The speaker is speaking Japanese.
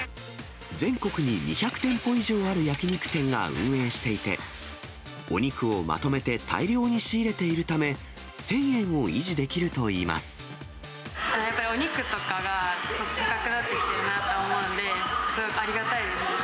全国に２００店舗以上ある焼き肉店が運営していて、お肉をまとめて大量に仕入れているため、１０００円を維持できるやっぱお肉とかが、ちょっと高くなってきてるなと思うので、すごくありがたいです。